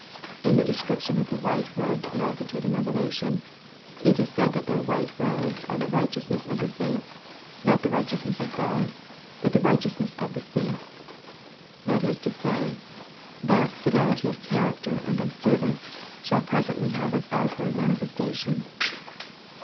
In the de scription of the white robed multitude in Rev elation, it is said that their white robes are the righteousness of the saints, not the righteous ness of God, but the righteousness of the saints. That is to say, that fidelity of charac ter and of service shall presently have its out ward manifestation.